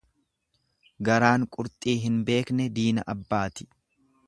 Garaan qurxii hin beekne diina abbaati.